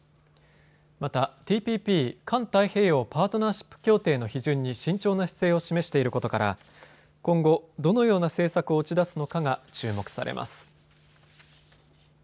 また、ＴＰＰ・環太平洋パートナーシップ協定の批准に慎重な姿勢を示していることから今後、どのような政策を打ち出すのかが注目されます。